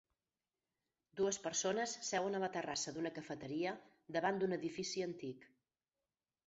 Dues persones seuen a la terrassa d'una cafeteria davant d'un edifici antic.